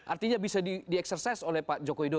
artinya bisa di eksersis oleh pak joko widodo